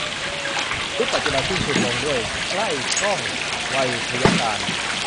ชุดปัจจุบันสิ้นสุดลงด้วย ไกลก้อง ไวทยการ